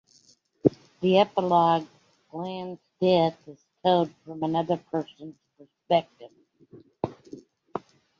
"The Epilogue: Glahn's Death" is told from another person's perspective.